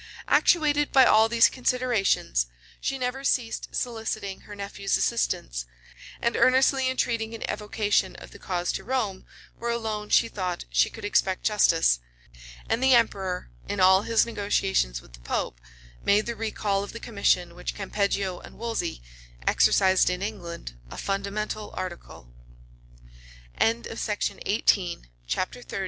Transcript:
Actuated by all these considerations, she never ceased soliciting her nephew's assistance, and earnestly entreating an evocation of the cause to Rome, where alone, she thought, she could expect justice. And the emperor, in all his negotiations with the pope, made the recall of the commission which Campeggio and Wolsey exercised in England a fundamental article.[*] * Herbert, p. 225. Burnet, vol i. p. 69.